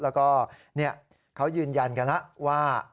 แล้วก็เขายืนยันกันแล้วว่า